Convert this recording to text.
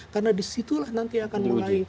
karena disitulah nanti akan mulai ada konflik